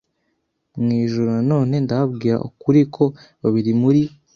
mu ijuru Nanone ndababwira ukuri ko babiri muri